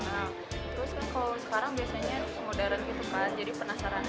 terus kan kalau sekarang biasanya modern gitu kan jadi penasaran